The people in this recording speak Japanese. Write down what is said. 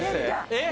えっ。